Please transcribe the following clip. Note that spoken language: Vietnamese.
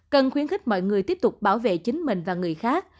cần khuyến khích mọi người tiếp tục bảo vệ chính mình và người khác